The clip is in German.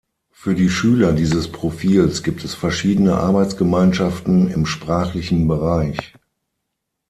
Für die Schüler dieses Profils gibt es verschiedene Arbeitsgemeinschaften im sprachlichen Bereich.